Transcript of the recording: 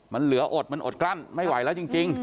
มันเหลืออดมันอดกลั้นไม่ไหวแล้วจริง